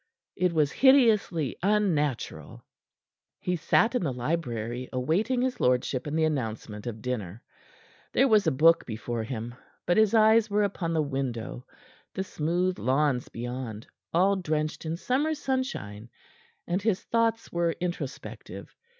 It was hideously unnatural. He sat in the library, awaiting his lordship and the announcement of dinner. There was a book before him; but his eyes were upon the window, the smooth lawns beyond, all drenched in summer sunshine, and his thoughts were introspective.